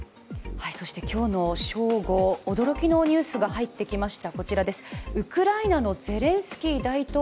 今日の正午、驚きのニュースが入ってきました。